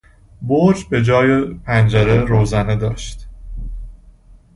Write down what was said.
برج بهجای پنجره روزنه داشت.